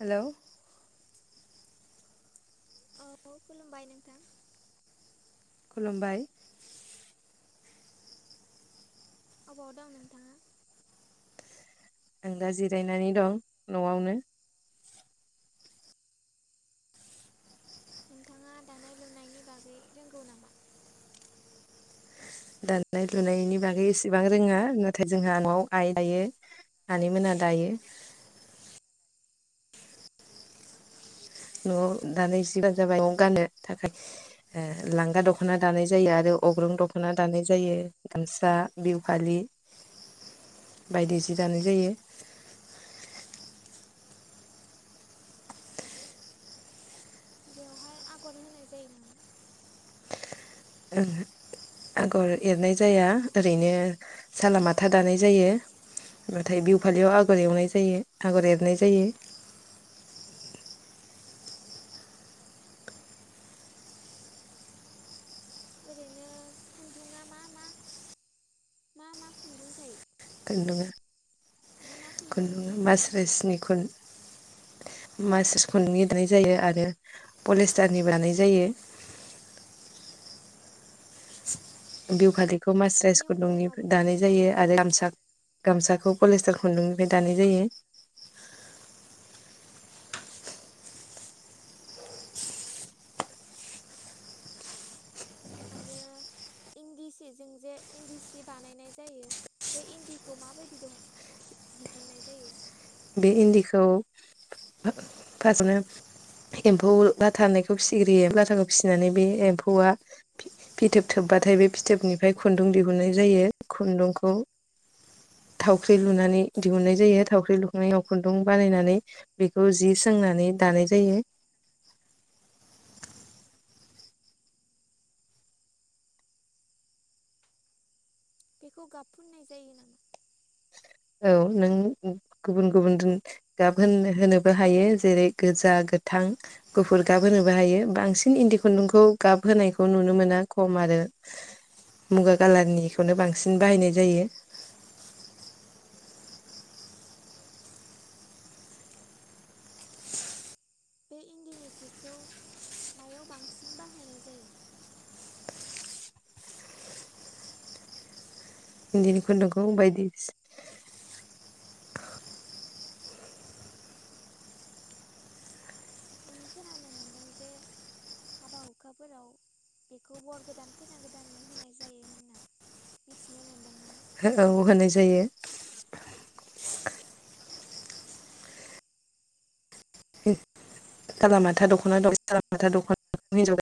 Hello औ खुलुमबाय नोंथां खलुम्बाय अबाव दं नोंथाङा आं दा जिरायनानै दं न'आवनो नोंथाङा दानाय लुनायनि बागै रोंगौ नामा? दानाय लुनायनि बागै एसेबां रोङा नाथाय जोंहा न'आव आइ दायो आनै मोना दायो नआव दानाय जि जाबाय थाखाय ओ लांगा दखना दानाय जायो आरो अग्रं दखना दानाय जायो गामसा बिहु फालि बायदि जि दानाय जायो बेवहाय आगर होनाय जायो नामा? ओहो आगर एरनाय जाया ओरैनो सालालामाथा दानाय जायो नाथाय बिहु फालियाव आगर एवनाय जायो आगर एरनाय जायो ओरैनो खुन्दुङा मा मा मा मा खुन्दुं थायो? खुन्दुङा मा मा खुन्दुंनि खुन्दुङा दानो हायो मास्रोसनि खुन मास्रायस खुन्दुंनि दानाय जायो आरो पलिस्टारनि दानाय जायो बियुफालि खौ मास्रास बेनि अनगायै गुन्दुंनिफ माबाफोर दानाय दंबावो जायो नामा आरो गामसाग गामसाखौ पलिस्टार खुन्दुंनिफ्राय दानाय जायो आरो इन्दि सिजों जे इन्दि सि बानायनाय जायो बे इन्दिखौ माबायदि दह दिहुननाय जायो बे इन्दिखौ फा फासावनो एम्फौ बाथा होननायखौ फिसिग्रोयो लाथाखौ फिसिनानै बे एम्फौआ फिथोब थोबबाथाय बे फिथोबनिफ्राय खुन्दुं दिहुननाय जायो खुन्दुंखौ थावख्रि लुनानै दिहुननाय जायो थावख्रि लुख खुन्दुं बानायनानै बेखौ जि सोंनानै दानाय जायो बेखौ गाबफुननाय जायो नामा? औ नों गुबुन गुबुन गाब होन होनोबो हायो जेरै गोजा गोथां गुफुर गाब होनोबो हायो बांसिन इन्दि खुन्दुंखौ गाब होनायखौ नुनो मोना खम आरो मुगा कालारनिखौनो बांसिन बाहायनाय जायो बे इन्दिनि जिखौ मायाव बांसिन बाहायनाय जायो? इदिनि खुन्दुंगौ बायदि सि आं खोनानो मोनदों जे हाबा हुखाफोराव बेखौ बर' गोदान खैना गोदाननो होनाय जायो होनना मिथिनो मोनदोंमोन औ होनाय जायो सालामाथा दखना दं सालामाथा जायो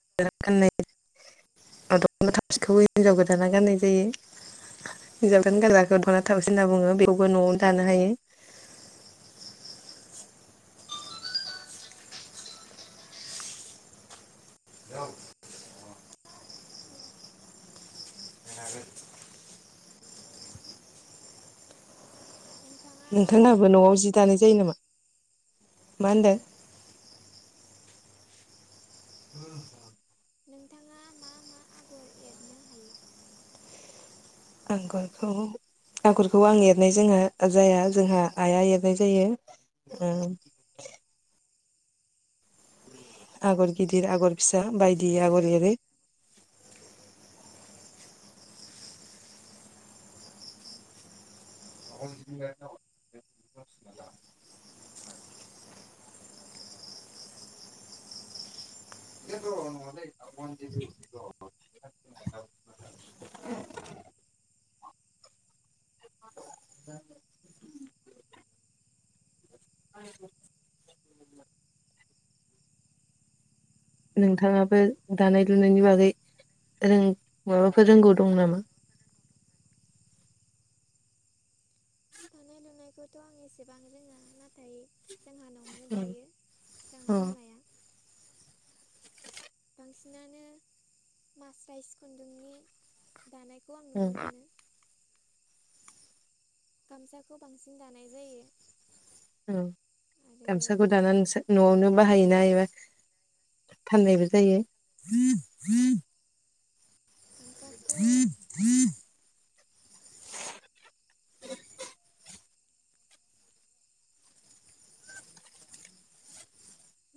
दखना थावसि होनना बुङो बेखौबो न'आव दानो हायो [inaudible] नोंथाङा मा मा नोंथांहाबो आगर न'आव जि एरनो दानाय जायो हायो? नामा? मा होनदो? नोंथाङा मा मा आगर एरनो हायो? आंगरखौ आंगरखौ आं एरनाय जोंहा जाया जोंहा आइआ एरनाय जायो। आगर गिदिर आगर फिसा बायदि आगर एरो [unintelligible] [unintelligible] नोंथाङाबो दानाय लुनायनि बागै रों माबाफोर रोंगौ दं नामा? एनायखौथ आं एसेबां रोङा नाथाय जोंहा न'आवनो अ दायो जोंहा ओं बिमाया बांसिनानो मास्राइस खुन्दुंनि दानायखौ आं नुनो मोनो गामसाखौ बांसिन दानाय जायो। आरो गामसाखौ दानानै नोंसा न'आवनो बाहायोना एबा फाननायबो जायो [unintelligible] [inaudible]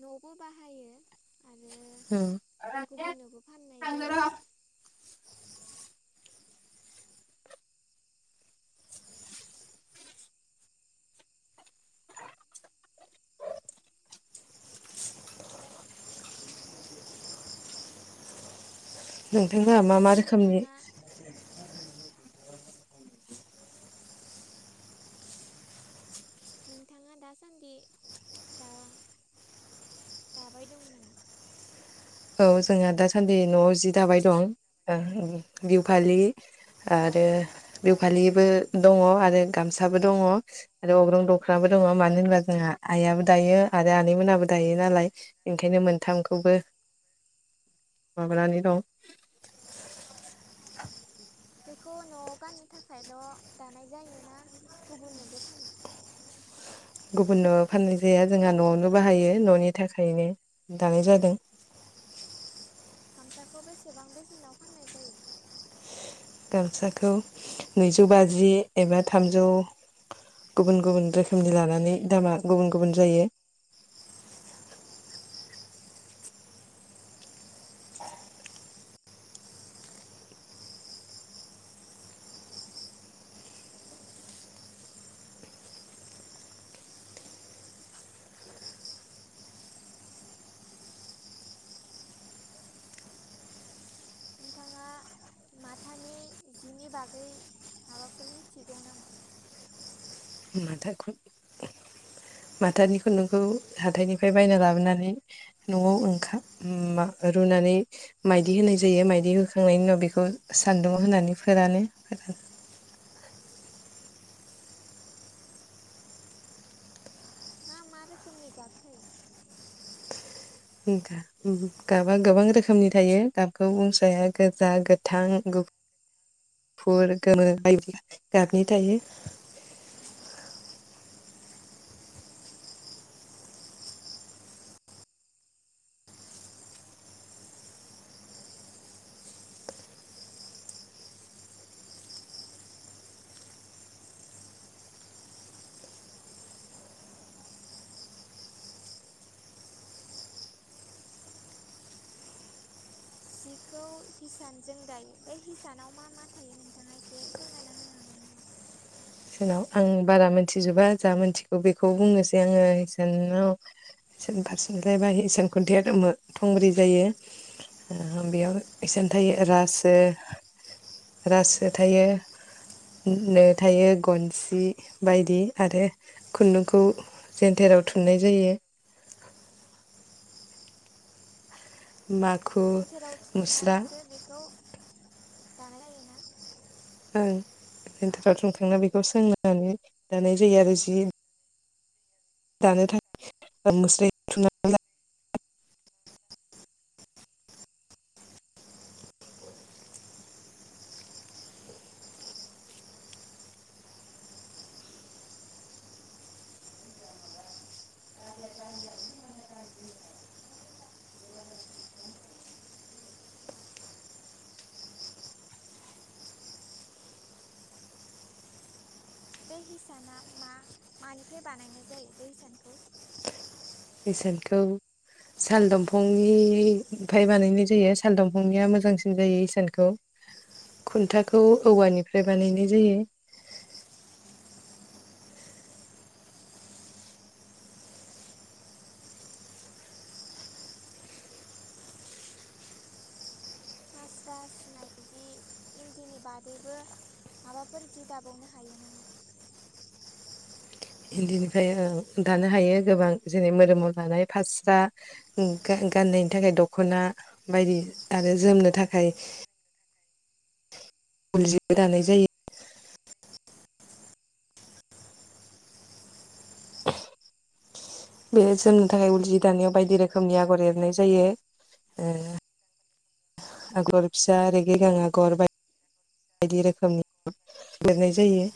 नआवबो बाहायो आरो उम गुबुननोबो फाननाय जायो [unintelligible] नोंथांमोनहा मा मा दासान्दि रोखोमनि नोंथाङा नोंथाङा दासान्दि दा दाबाय दं नामा? औ जोंहा दासान्दि नआव जि दाबाय दं ओ बिहु फालि आरो बिहुफालिबो दङ आरो गामसाबो दङ आरो अग्रं दख्राबो दङ मानो होनबा जोंहा आइयाबो दायो आरो आनै मोनाबो दायो नालाय ओंखायनो मोनथामखौबो माबानानै दं। बेखौ नआव गाननो थाखायल' दानाय जायोना गुबुननोबो फानो गुबुननो फाननाय जाया जोंहा न'आवनो बाहायो न'नि थाखायनो दानाय जादों। गामसाखौ बेसेबां बेसेनाव फाननाय जायो? गामसाखौ नैजौ बाजि एबा थामजौ गुबुन गुबुन रोखोमनि लानानै दामा गुबुन गुबुन जायो। नोंथाङा माथानि जिनि बागै माबाफोर मिथिगौ नामा? माथा खुन्दुंखौ माथानि खुन्दुंखौ हाथायनिफ्राय बायना लाबोनानै न'आव ओंखाम रुनानै माइदि होनाय जायो माइदि होखांनायनि उनाव बेखौ सान्दुंङआव होनानै फोरानो मा मा रोखोमनि गाबथायो? गाबा गोबां रोखोमनि थायो गाबखौ बुंस'हाया गोजा गोथां गुफ गुफुर गोमो बायदि गाबनि थायो। सिखौ हिसानजों दायो बे हिसानाव मा मा थायो नोंथाङा एसे फोरमायना होनो हागोन नामा? नाव आं बारा मिथिजोबा जा मोनथिगौ बेखौ बुंनोसै आङो इसानाव फारसेनिफ्रायबा इसान खुन्थाया थुंब्रै जायो बेयाव इसान थायो रासो, रासो थायो नो थायो गन सि बायदि आरो खुन्दुंखौ जेन्थेराव थुननाय जायो। माखु जेन्थेराव मुस्रा थुखांनानैसो बेखौ दानाय जायोना आं जेन्थेराव थुखांना बेखौ सोंनानै दानाय जायो आरो जि दानो थाखाय [unintelligible] बे हिसाना मा मानिफ्राय बानायनाय जायो बे हिसानखौ? इसानखौ साल दंफांनिफ्राय बानायनाय जायो साल दंफांनिया मोजांसिन जायो इसानखौ खुन्थाखौ औवानिफ्राय बानायनाय जायो। मास्रास मायदि इन्दिनि बादैबो माबाफोर जि दाबावनो हायो नामा? बिनिफ्राय दानो हायो गोबां जेरै मोदोमाव लानाय फास्रा गाननायनि थाखाय दखना बायदि आरो जोमनो थाखाय उलजिबो दानाय जायो। बे जोमनो थाखाय उल जि दानायाव बायदि रोखोमनि आगर एरनाय जायो आगर ओ फिसा रेगे रेगां आगर बायदि रोखोमनि एरनाय जायो।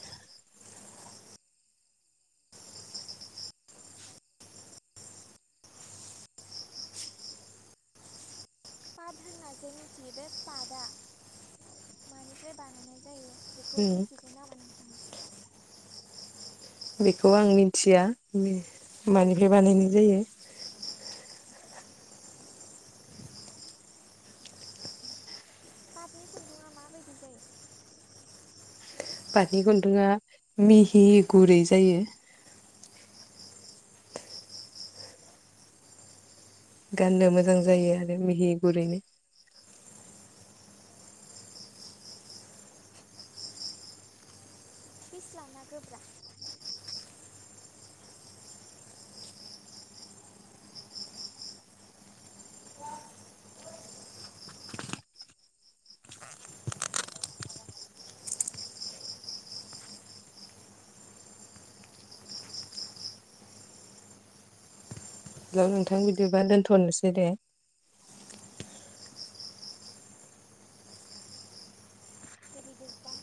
पाट होनना जे मिथियो बे पाटआ मानिफ्राय बानायनाय जायो? बेखौ उम मिथिगौ नामा नों? बेखौ आं मिथिया मानिफ्राय बानायनाय जायो। पातनि खुन्दुंआ माबायदि जायो? पातनि खुन्दुंआ मिहि गुरै जायो। गाननो मोजां जायो आरो मिहि गुरैनै फिस्लाना गोब्रा? हेल नोंथां बिदिबा दोन्थनोसै दे। दे बिदिब्ला।